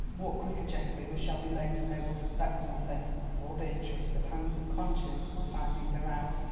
Walk quicker, Geoffrey; we shall be late, and they will suspect something." Poor Beatrice, the pangs of conscience were finding her out!